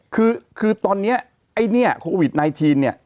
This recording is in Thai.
คือคือตอนนี้ไอ้เนี่ยโควิด๑๙เนี่ย